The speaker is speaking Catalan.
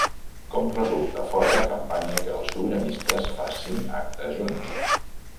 Com resulta fora de campanya que els sobiranistes facin actes junts?